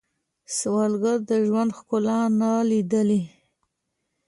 سوالګر د ژوند ښکلا نه لیدلې